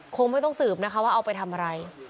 คงไม่ต้องสืบนะคะว่าเอาไปทำอะไร